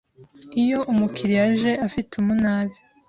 Iyo umukiriya aje afite umunabi